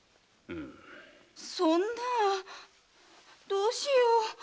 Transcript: そんなあどうしよう。